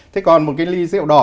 thế còn một cái ly rượu đỏ